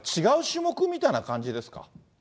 違う種目みたいな感じですか？